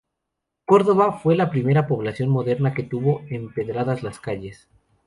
Córdoba fue la primera población moderna que tuvo empedradas las calles.